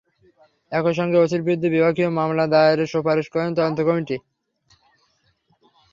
একই সঙ্গে ওসির বিরুদ্ধে বিভাগীয় মামলা দায়েরের সুপারিশও করে তদন্ত কমিটি।